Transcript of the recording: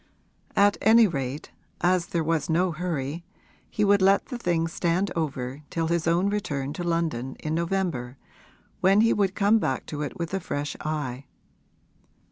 At any rate, as there was no hurry, he would let the thing stand over till his own return to London, in November, when he would come back to it with a fresh eye.